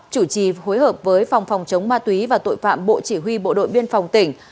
chủ trì phối hợp với phòng phòng chống ma túy và tội phạm bộ chỉ huy bộ đội biên phòng tỉnh